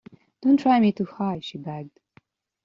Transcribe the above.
"Don't try me too high," she begged.